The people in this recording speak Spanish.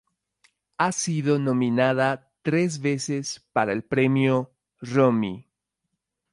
Ha sido nominada tres veces para el premio Romy.